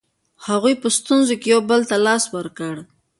هغوی په ستونزو کې یو بل ته لاس ورکړ.